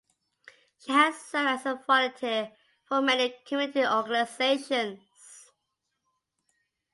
She has served as a volunteer for many community organizations.